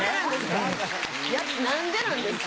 何でなんですか？